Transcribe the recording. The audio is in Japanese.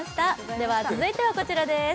では、続いてはこちらです。